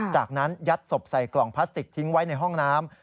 จากนั้นยัดศพใส่กล่องพลาสติกทิ้งไว้ในห้องน้ำ